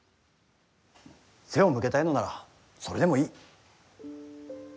背を向けたいのならそれでもいい。